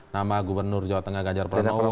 nama gubernur jawa tengah ganjar pranowo